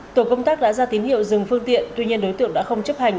tổ công tác đã ra tín hiệu dừng phương tiện tuy nhiên đối tượng đã không chấp hành